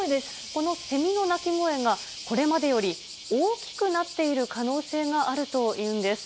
このセミの鳴き声がこれまでより大きくなっている可能性があるというんです。